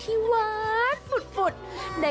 ที่วาน